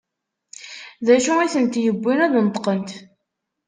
D acu i tent-yewwin ad d-neṭqent?